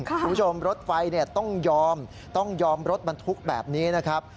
รถไฟต้องยอมต้องยอมรถบรรทุกแบบนี้นะครับ